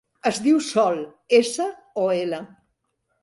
Es diu Sol: essa, o, ela.